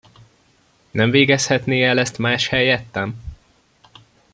Nem végezhetné el ezt más helyettem?